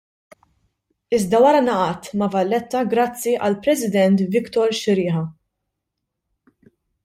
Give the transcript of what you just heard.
Iżda wara ngħaqadt ma' Valletta grazzi għall-President Victor Sciriha.